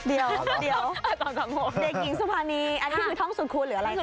เดกหญิงสุพรณีอันนี้คือท้องสุดคูณหรืออะไรคะ